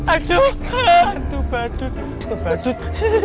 aduh hantu badut